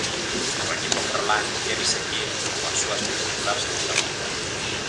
O equipo ferrolán quere seguir coa súa espectacular segunda volta.